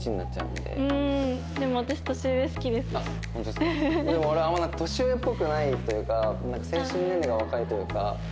でも俺あんまり年上っぽくないというかなんか精神年齢が若いというか。